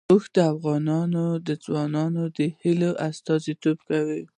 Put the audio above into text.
اوښ د افغان ځوانانو د هیلو استازیتوب کوي.